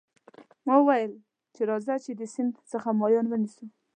ما وویل چې راځه چې د سیند څخه ماهیان ونیسو.